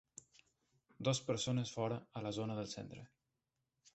Dos persones fora a la zona del centre.